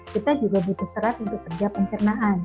kita juga butuh serat untuk kerja pencernaan